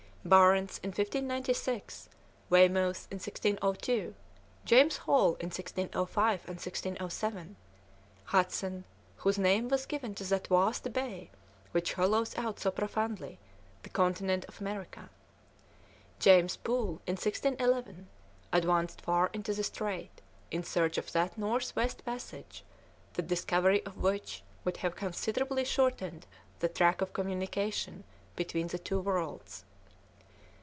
Barentz in 1596, Weymouth in 1602, James Hall in 1605 and 1607, Hudson, whose name was given to that vast bay which hollows out so profoundly the continent of America, James Poole, in 1611, advanced far into the Strait in search of that North West passage the discovery of which would have considerably shortened the track of communication between the two worlds.